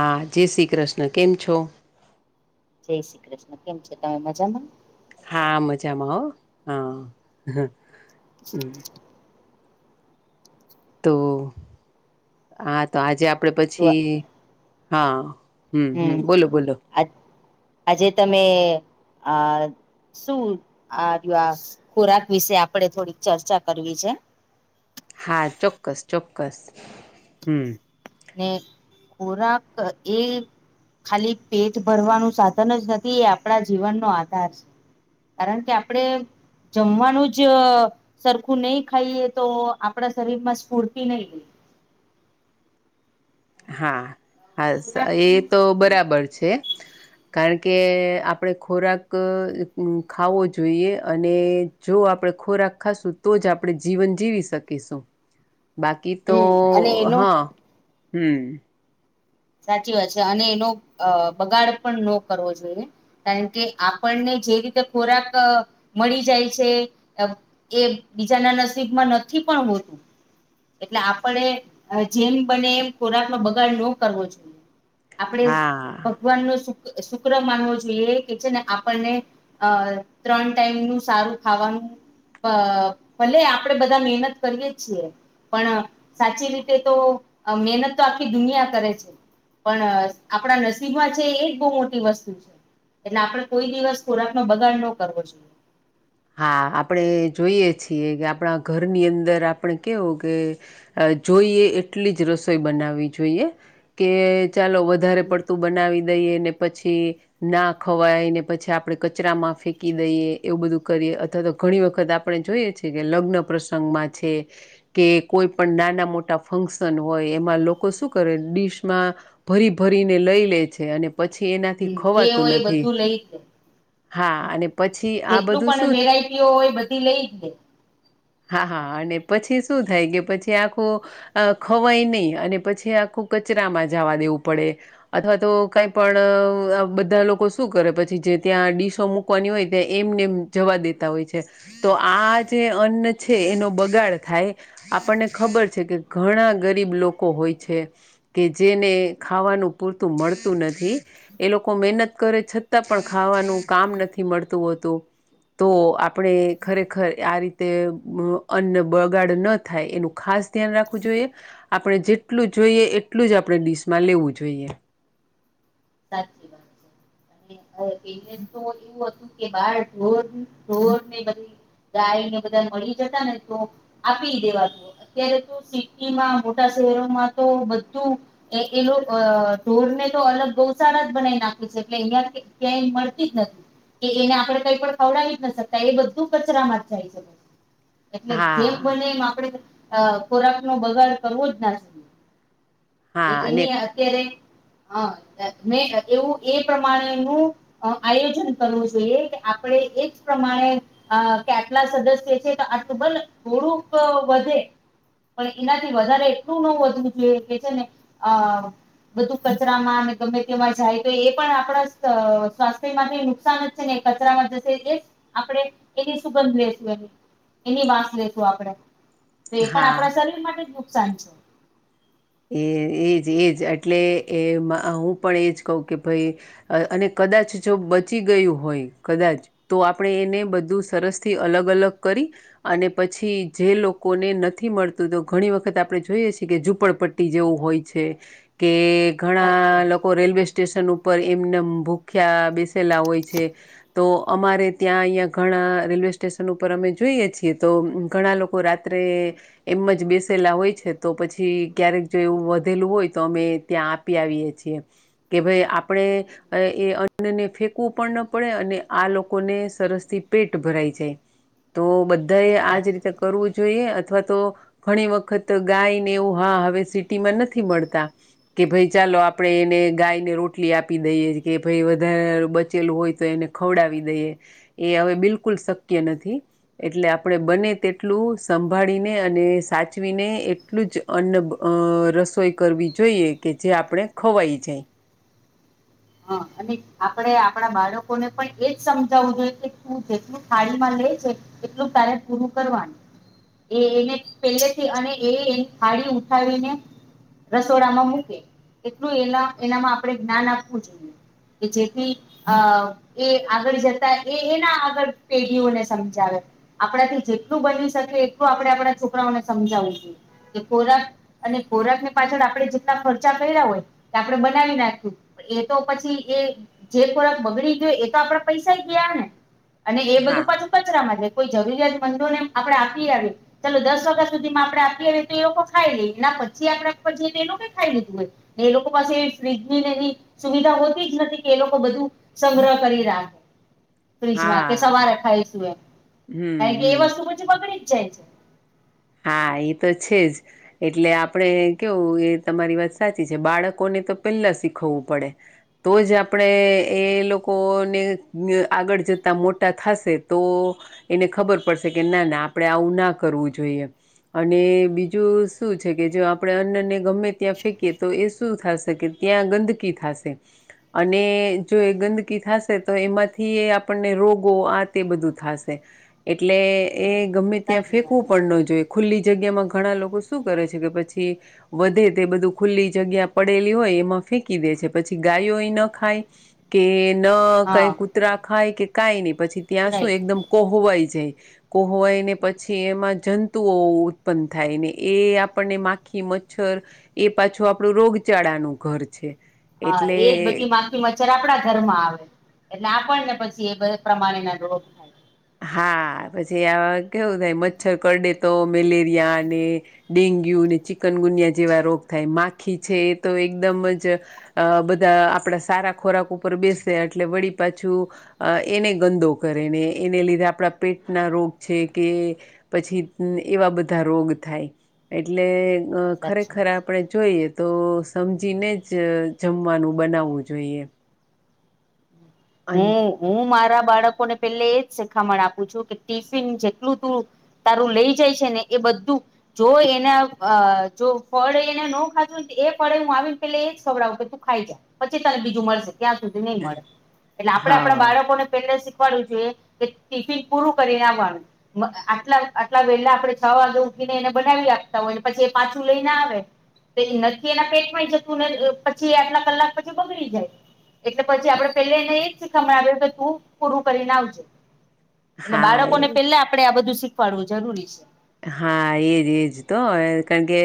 હા જય શ્રી કૃષ્ણ કેમ છો જય શ્રી કૃષ્ણ કેમ છો તમે મજામાં હા મજામાંઓ હ હ તો હા તો આજે આપડે શું પછી હા હમ હમ બોલો બોલો આજ આજે તમે અ શું આ ખોરાક વિશે આપડે થોડીક ચર્ચા કરવી છે હા ચોક્કસ ચોક્કસ હમ ને ખોરાક એ ખાલી પેટ ભરવાનું સાધન જ નથી એ આપણા જીવનનો આધાર છે કારણ કે આપડે જમવાનું જ સરખું નહી ખાઈએ તો આપણા શરીર માં સ્ફૂરતિ નહી હા હા એ તો બરાબર છે [inaudible] કારણ કે આપણે ખોરાક ખાવો જોઈએ અને જો આપણે ખોરાક ખાશું તો જ આપણે જીવન જીવી શકીશું [inaudible] બાકી તો હમ અને હ એનું હમ સાચી વાત છે અને એનો અ બગાડ પણ ન કરવો જોઈએ કારણ કે આપણને જે રીતે ખોરાક મળી જાય છે એ બીજાના નસીબમાં નથી પણ હોતું એટલે આપડે જેમ બને એમ ખોરાક નો બગાડ ન કરવો જોઈએ આપણે હા ભગવાનનું શ શુક્ર માનવો જોઈએ કે છે ને આપણને અ ત્રણ ટાઈમ નું સારું ખાવાનું અ ભલે આપડે બધા મહેનત કરીએ છીએ પણ સાચી રીતે તો અ મહેનત તો આખી દુનિયા કરે છે પણ આપણા નસીબમાં છે એજ બહુ મોટી વસ્તુ છે એટલે આપડે કોઈ દિવસ ખોરાક નો બગાડ ન કરવો જોઈએ હા આપણે જોઈએ છીએ કે આપણા ઘરની અંદર આપણે કેવું કે જોઈએ એટલી જ રસોઈ બનાવી જોઈએ કે ચાલો વધારે પડતું બનાવી દઈએ ને પછી ના ખવાય ને પછી આપડે કચરામાં ફેંકી દઈએ એવું બધું કરીએ અથવા તો ઘણી વખત આપણે જોઈએ છીએ કે લગ્ન પ્રસંગમાં છે કે કોઈ પણ નાના મોટા ફંક્શન હોય એમાં લોકો શું કરે ડીશમાં ભરી ભરીને લઈ લે છે અને પછી એનાથી હમ જે ખવાતું હોય એ નથી બધું લઈ જ લે. હા અને પછી આ જેટલું બધું પણ શું વેરાયટીઓ હોય બધી લઈ જ લે હા હા અને પછી શું થાય કે પછી આખું અ ખવાય નહી અને પછી આખું કચરામાં જાવા દેવું પડે અથવા તો કઈ પણ બધા લોકો શું કરે પછી જે ત્યાં ડીશો મુક કવાની હોય ત્યા એમને એમ જવા દેતા હોય છે તો આ જે અન્ન છે એનો બગાડ થાય આપણને ખબર છે કે ઘણા ગરીબ લોકો હોય છે કે જેને ખાવાનું પૂરતું મળતું નથી એ લોકો મહેનત કરે છતાં પણ ખાવાનું કામ નથી મળતું હોતું તો આપણે ખરેખર આ રીતે અન્ન બગાડ ન થાય એનું ખાસ ધ્યાન રાખવું જોઈએ આપણે જેટલું જોઈએ એટલું જ આપણે ડીશમાં લેવું જોઈએ સાચું [unintelligible] ગાય ને બધા મળી જતા ને તો આપી દેવા અત્યારે તો સિટીમાં મોટા શહેરોમાં તો બધું એ એ લોકો ઢોર ને તો અલગ ગૌશાળા જ બનાવી નાખે છે એટલે અહયા ક્યાંય મળતી જ નથી કે એને આપડે કઈ પણ ખવડાવી જ ના શકતા એ બધું કચરામાં જ જાય છે એટલે હા જેમ બને એમ આપડે ખોરાક નો બગાડ કરવો જ ના શકીએ એ હા અને એની અત્યારે હ મે એવું એ પ્રમાણે નું આયોજન કરવું જોઈએ આપડે એ જ પ્રમાણે અ કેટલા સદસ્ય છે તો આટલું બલ થોડુંક વધે પણ એનાથી વધારે એટલું ન વધવું જોઈએ કે છે ને અ બધું કચરામાં અને ગમે તેવા જાય તો એ પણ આપણા સ્વાસ્થ્ય માટે નુકસાન જ છે ને કચરામાં જશે એ આપણે એની સુગંધ લશું એની વાસ લેેશું આપડે તો એ પણ હા આપણા શરીર માટે જ નુકસાન છે એ એ જ એ જ એટલે એ હું પણ એ જ કહું કે ભાઈ અ અને કદાચ જો બચી ગયું હોય કદાચ તો આપણે એને બધું સરસ થી અલગ અલગ કરી અને પછી જે લોકોને નથી મળતું તો ઘણી વખત આપડે જોઈએ છીએ કે ઝુંપડપટ્ટી ટી જેવું હોય છે કે સાચી ઘણા વાત સાચી લોક રેલવે સ્ટેશન ઉપર એમનમ ભૂખ્યા બેસેલા હોય છે તો અમારે ત્યાં અહીંયા ઘણા રેલવેસ્ટેશન ઉપર અમે જોઈએ છીએ તો ઘણા લોકો રાત ત્રે એમ જ બેસેલા હોય છે તો પછી ક્યારેક જો એવું વધેલું હોય તો અમે ત્યાં આપી આવીએ છીએ કે ભઈ આપણે એ અન્નને ફેંકવું પણ ન પડે અને આ લોકોને સરસ થી પેટ ભરાઈ જાય [inaudible] તો બધાય આજ વાત રીતે કરવું જોઈએ અથવા તો ઘણી વખત ગાયને એવું હા હવે ટીમાં નથી મળતા કે ભઈ ચાલો આપણે એને ગાયને રોટલી આપી દઈએ કે ભઈ વધારે બચેલું હોય તો એને ખવડાવી દઈએ હવે બિલકુલ શક્ય નથી એટલે આપણે બને તેટલું સંભાળીને અને સાચવીને એટલું જ અન્ન અ રસોઈ કરવી જોઈએ કે જે આપણે ખવાઈ જાય હ અને આપડે આપણા બાળકોને પણ એજ સમજાવું જોઈએ કે તું જેટલું થાળીમાં લે છે એટલું ક્યારે પૂરું કરવાનું એ એને પેલેથી અને એ થાળી ઉઠાવીને રસોડામાં મૂકે એટલું એ એનામાં આપણે જ્ઞાન આપવું જોઈએ કે જેેથી અ એ આગળ જતા એ એના આગળ પેઢીઓને સમજાવે આપણાથી જેટલું બની શકે એટલું આપડે આપણા છોકરાઓને સમજાવું છું કે ખોરાક અને ખોરાક ને પાછળ આપડણે જેટલા ખર્ચા પે હોય આપણે બનાવી નાખ્યું એ તો પછી એ જે ખોરાક બગડી ગયો એ તો આપડે પૈસા ગયા ને અને એ બધું હા પાછું કચરામાં છે કોઈ જરૂરિયાત મંદોને આપડે આપી આવી ચાલો દસ વાગ્યા સુધી માં આપડે આઈએ તો એ લોકો ખાઈ લે એના પછી આપડ ઉપર જઈએ તો એ લોકો કઈ ખાઈ લીધું હોય એ લોકો પાસે ફ્રીજ ભી નહી સુવિધા હોતી જ નથી કે એ લોકો બધું સંગ્રહ કરી રાખે ફ્રીજમાં કે હા સવારે ખાઈશું એમ હમ કારણ કે એ હમ વસ્તુ પછી બગડી જ જાય છે હા એ તો છે જ એટલે આપણે કેવું એ તમારી વાત સાચી છે બાળકોને તો પેલા શીખવવું પડે તો જ આપણે એ લોકોને આગળ જતા મોટા થાશે તો એને ખબર પડશે કે ના ના આપડે એવું ના કરવું જોઈએ અને બીજું શું છે કે જો આપણે અન્નને ગમે ત્યાં ફેંકીએ તો એ શું થાશે કે ત્યાં ગંદકી થાશે અને જો એ ગંદકી થાશે તો એમાંથી આપણને રોગો આ તે બધું થાશે એટલે એ હમ, ગમે ત્યાં સાચી વાત ફેકવું પણ ન જોય ખુલ્લી જગ્યામાં ઘણા લોકો શું કરે છે કે પછી વધે તે બધું ખુલ્લી જગ્યા પડેલી હોય એમાં ફેંકી દે છે પછી ગાયો અ ન ખાય કે ન હા કઈ કૂતરા ખાય કે કાય નહી પછી ત્યાં શું ઉતરાય એકદમ કોહવાય જાય કોહવાય ને પછી એમાં જન તુઓ ઉત્પન્ન થાય ને એ આપણને માખી મચ્છર એ પાછું આપણું રોગચાળાનું ઘર છે હા એટલે એ બધી મા ખી મચ્છર આપણા ઘરમાં આવે એટલે આપણ ને પછી એ બધ પ્રમાણેના રોગ થાય હા પછી આ કેવું થાય મચ્છર કરડે તો મેલેરિયા અને ડેન્ગ્યુ ને ચિકનગુનિયા જેવા રોગ થાય માખી છે એ તો એકદમ જ અ બધા આપડા સારા ખોરાક ઉપર બેસે એટલે વળી પાછું અ એને ગંદો કરે ને એને લીધે આપણા પેટના રોગ છે કે પછી એવા બધા રોગ થાય એટલે સાચું ખરેખર આ પડે જોઈએ તો સમજીને જ જમવાનું બનાવવું જોઈએ [inaudible] અન હું હું મારા બાળકોને પેલે એજ શીખામણ આપું છું કે ટિફિન જેટલું તું તારું લઈ જાય છે ને એ બધું જો એના અહ જો ફળ એને ન ખાધું હો તો એ ફળે હું આવીને પેલે એજ ખવડાવું કે તું ખાઈ જા. પછી તને બીજું મળશે ક્યાં સુધી નહી મળે. એટલે આપડે આપણા હા બાળકોને પેલે શીખવાડવું જોઈએ કે ટિફિન પૂરું કરી ને આવાનું. મ આટલા આટલા વહેલા આપડે છ વાગે ઉઠીને એને બનાવી આપતા હોય ને પછી એ પાછું લઈને આવે નથી એના પેટમાંય જતું ને પછી આટલા કલાક પછી બગડી જાય. એટલે પછી આપડે પેલા એને એજ શીખામણાવ્યું કે તું પૂરું કરીને આવજે. એટલે હા બાળકોને એ પેલા આપડે આ બધું શીખવાડવું જરૂરી છે. હા, એજ એજ તો કારણ કે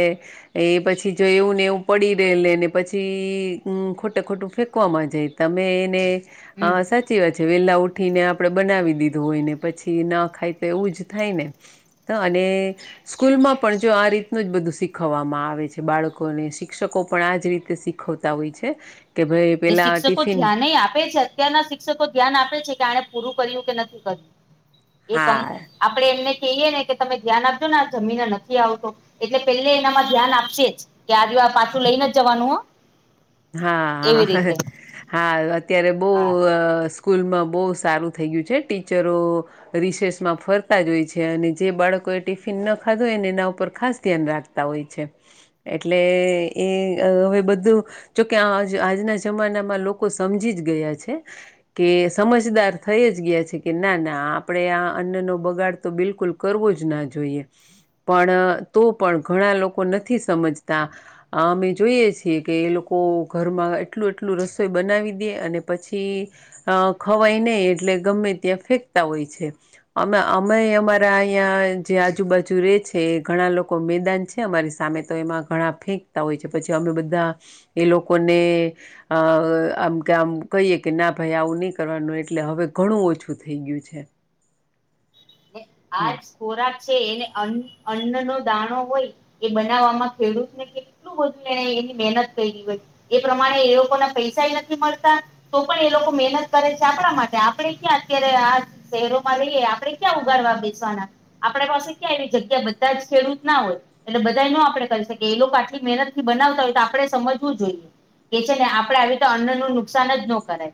એ પછી જો એવું ને એવું પડી રે લે ને પછી ખોટું ખોટું ફેંકવામાં જાય. તમે એને હમ હા સ ચી વાત છે વેલા ઉઠી ને આપડણે બનાવી દીધું હોય ને પછી ના ખાય તો એવું જ થાય ને. ત અને સ્કૂલ માં પણ જો આ રીતનું જ બધું શીખવવામાં આવે છે બાળકોને શિક્ષકો પણ આજ રીતે શીખ ખવતા હોય છે કે ભાઈ એ પેલા શિક્ષકો ટિફિન ધ્યાન આપે છે. અત્યારના શિક્ષકો ધ્યાન આપે છે કે આણે પૂરું કર્યું કે નથી કર્યું એ કમ હા આપડે એમને કહીએ ને કે તમે ધ્યાન આપજો ને આ જમીને નથી આવતો એટલે પેલે એનામાં ધ્યાન આપશે જ કે આ દવા પાછું લઈને જવાનું હો. હા એવી હા રીતે હા અત્યારે બહુ હા અહ સ્કૂલમાં બહુ સારું થઈ ગયું છે ટીચરો રિસેસમાં ફરતા જ હોય છે અને જે બાળકો એ ટિફિન ન ખાધું હોયને એના ઉપર ખાસ ધ્યાન રાખ તા હોય છે. એટલે એ હવે બધું જોકે આજ આજના જમાનામાં લોકો સમજી જ ગયા છે. કે સમજદાર થઈ જ ગયા છે કે ના ના આપડે આ અન્ન નો બગાડ તો બિલકુલ કરવું જ ના જોઈએ પણ અહ તો પણ ઘણા લોકો નથી સમજતા આ અમે જોઈએ છીએ કે એ લો કો ઘરમાં એટલું એટલું રસોઈ બનાવી દે અને પછી અહ ખવાય નહીં એટલે ગમે ત્યાં ફેંકતા હોય છે. અમે અમે અમારા અહીંયા જે આજુબાજુ રે છે ઘણા લોકો મેદાન છે છે અમારી સામે તો એમાં ઘણા ફેંકતા હોય છે પછી અમે બધા એ લોકોને અહ આમ કે આમ કહીએ કે ના ભાઈ આવું નઈ કરવાનું એટલે હવે ઘણું ઓછું થઈ ગયું છે. એ આજ હમ ખોરાક છે એને અન્ન અન્નનો દાણો હોય એ બનાવવામાં ખેડૂતને કે કેટલું બધું એને એની મહેનત કરી હોય એ પ્રમાણે એ લોકો ના પૈસા નથી મળતા તો પણ એ લોકો મહેનત કરે છે આપડા માટે આપડે ક્યાં અત્યારે આ શહેરોમાં રહીએ આપડે ક્યાં ઉગારવા બેસવાના આપડા પાસે ક્યાં એવી જગ્યા બધા જ ખેડૂત ના હોય. એટલે બધા નો આપડે કહી શકીએ એ લોકો આટલી મહેનત થી બનાવતા હોય તો આપડે સમજવું જોઈએ. કે છે ને આપડે આવી તો અન્ન નું નુકસાન જ ન કરાય.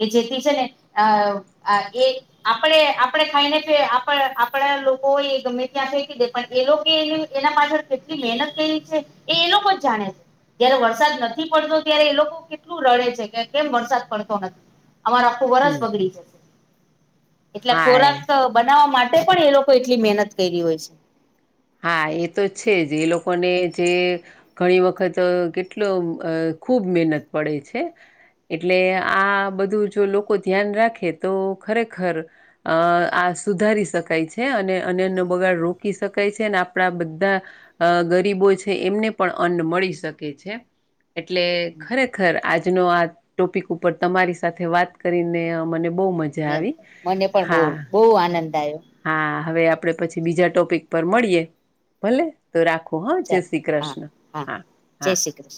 કે જેથી છે ને અહ અહ એ આપડે આપડે ખાઈને તે આપ આપડા લોકો એ ગમે ત્યાં થઈ કી દે પણ એ લોકો એ એના પાછળ કેટલી મહેનત કરી છે એ લોકો કોઈ જાણ છે.. જયારે વરસાદ નથી પડતો ત્યારે એ લોકો કેટલું રડે છે કે કેમ વરસાદ પડતો નથી. અમારાખો વરસ હમ. બગડી જશે એટલે હા એ ખોરાક બનાવવા માટે પણ એ લોકો એટલી મહેનત કરી હોય છે. હા, એ તો છે જ એ લોકોને જે ઘણી વખત કેટલો અહ ખૂબ મહેનત પડે છે એટલે આ બધું જો લોકો ધ્યાન રાખે તો ખરેખર અહ આ સુધારી શકાય છે અને અન નો બગાડ રોકી શક કે છે અને આપડા બધા અહ ગરીબો છે એમને પણ અન્ન મળી શકે છે. એટલે ખરેખર આજનો આ ટોપિક ઉપર તમારી સાથે વાત કરીને મને બહ મજા મ આવી મને પણ બહ હા બહુ આનંદ આવ્યો હા હવે આપડે પછી બીજા ટોપિક પર મળીએ ભલે તો રાખો હા જય ચાલો શ્રી હા કૃષ્ણ હા જય હા શ્રી કૃષ્ણ.